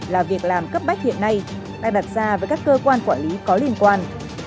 là việc làm cấp bách hiện nay đang đặt ra với các cơ quan quản lý có liên quan